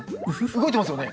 動いてますよね。